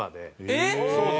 えっ！